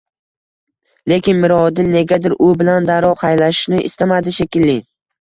Lekin Mirodil negadir u bilan darrov xayrlashishni istamadi shekilli